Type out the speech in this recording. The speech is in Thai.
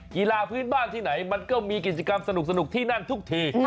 กีฬาพื้นบ้านที่ไหนมันก็มีกิจกรรมสนุกที่นั่นทุกที